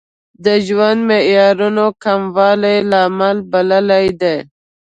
د ژوند معیارونو کموالی لامل بللی دی.